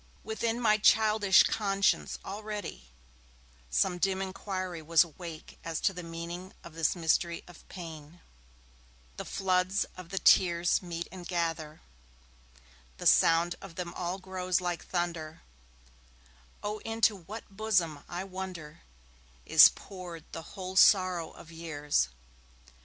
Within my childish conscience, already, some dim inquiry was awake as to the meaning of this mystery of pain The floods of the tears meet and gather; The sound of them all grows like thunder; Oh into what bosom, I wonder, Is poured the whole sorrow of years?